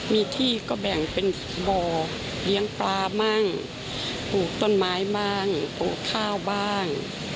มีที่ก็แบ่งเป็นบ่อเลี้ยงปลาบ้างปลูกต้นไม้บ้างปลูกข้าวบ้าง